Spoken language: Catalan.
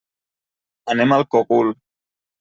Anem al Cogul.